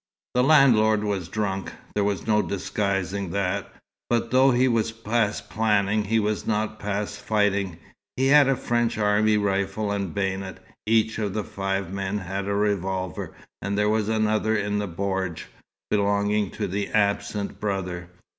The landlord was drunk. There was no disguising that, but though he was past planning, he was not past fighting. He had a French army rifle and bayonet. Each of the five men had a revolver, and there was another in the bordj, belonging to the absent brother.